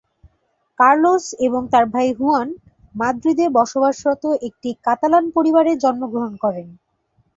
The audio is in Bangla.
কার্লোস এবং তার ভাই হুয়ান মাদ্রিদে বসবাসরত একটি কাতালান পরিবারে জন্মগ্রহণ করেন।